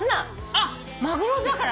あっ「マグロ」だから？